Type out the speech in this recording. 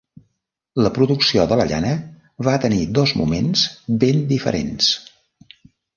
La producció de la llana va tenir dos moments ben diferents.